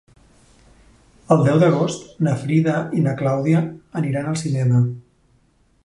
El deu d'agost na Frida i na Clàudia aniran al cinema.